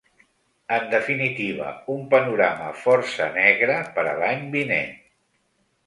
En definitiva, un panorama força negre per a l’any vinent.